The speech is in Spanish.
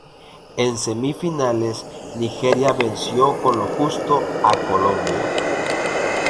En semifinales Nigeria venció con lo justo a Colombia.